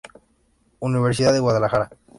Universidad de Guadalajara